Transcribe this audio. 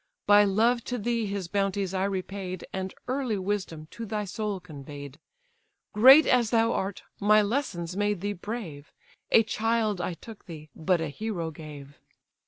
By love to thee his bounties I repaid, And early wisdom to thy soul convey'd: Great as thou art, my lessons made thee brave: A child I took thee, but a hero gave.